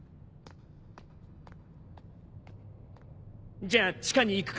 じゃあ地下に行くか。